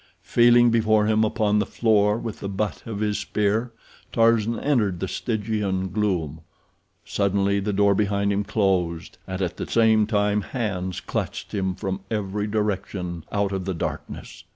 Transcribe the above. Feeling before him upon the floor with the butt of his spear, Tarzan entered the Stygian gloom. Suddenly the door behind him closed, and at the same time hands clutched him from every direction out of the darkness.